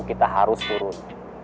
kita harus turun